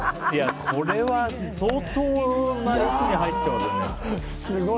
これは相当、熱入ってますよね。